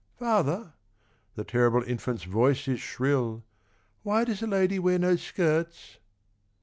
" Father," the terrible infant's voice is shrill, " Wliy does the lady wear no skirts